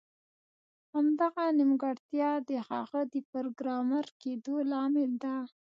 همدغه نیمګړتیا د هغه د پروګرامر کیدو لامل ده